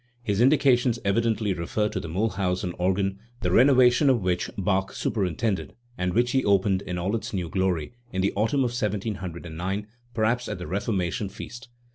His indications evidently refer to the Miihlhausen organ, the renovation of which Bach superintended, and which he opened, in all its new glory, in the autumn of 1709, perhaps at the Reformation feast*.